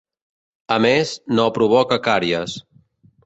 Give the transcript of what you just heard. A més, no provoca càries.